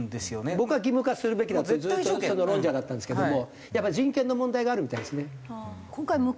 僕は義務化するべきだとずっとその論者だったんですけどもやっぱり人権の問題があるみたいですね。